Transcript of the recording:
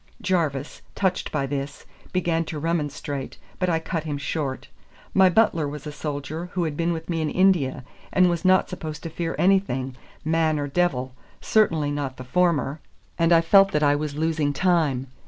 Jarvis, touched by this, began to remonstrate, but I cut him short. My butler was a soldier who had been with me in India, and was not supposed to fear anything, man or devil, certainly not the former; and I felt that I was losing time.